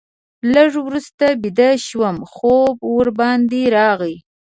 لږ وروسته بیده شوم، خوب ورباندې راغی.